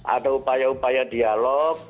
ada upaya upaya yang diperlukan